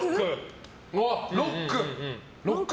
ロック？